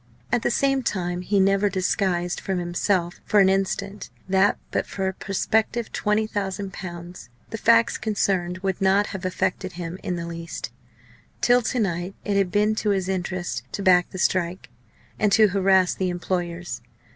At the same time he never disguised from himself for an instant that but for a prospective 20,000 l. the facts concerned would not have affected him in the least. Till to night it had been to his interest to back the strike, and to harass the employers.